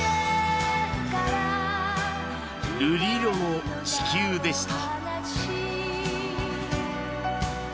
『瑠璃色の地球』でした